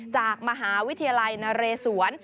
จากมหาวิทยาลัยนเรศวร